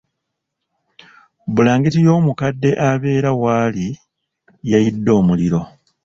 Bbulangiti y'omukadde abeera wali yayidde omuliro.